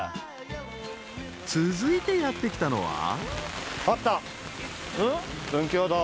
［続いてやって来たのは］文教堂。